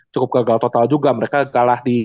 cukup gagal total juga mereka kalah di